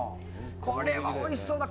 これはおいしそうだ！